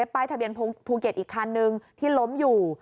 ป้ายทะเบียนภูเก็ตอีกคันนึงที่ล้มอยู่